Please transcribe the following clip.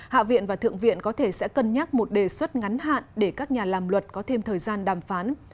hạ viện và thượng viện có thể sẽ cân nhắc một đề xuất ngắn hạn để các nhà làm luật có thêm thời gian đàm phán